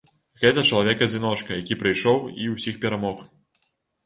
Гэта чалавек-адзіночка, які прыйшоў і ўсіх перамог.